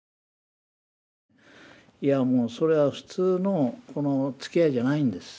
いやもうそれは普通のつきあいじゃないんです。